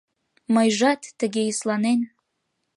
Мыйжат, тыге йӧсланен